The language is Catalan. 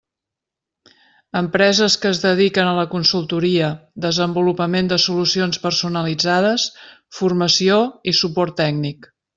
Empreses que es dediquen a la consultoria, desenvolupament de solucions personalitzades, formació i suport tècnic.